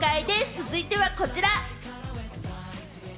続いてはこちら。